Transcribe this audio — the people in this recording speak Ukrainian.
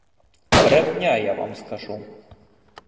Брехня, я вам скажу.